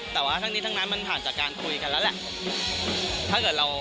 แต่ว่าทั้งนี้ทั้งนั้นมันผ่านจากการคุยกันแล้วแหละ